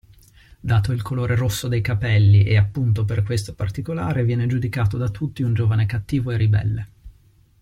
Dato il colore rosso dei capelli e appunto per questo particolare viene giudicato da tutti un giovane cattivo e ribelle.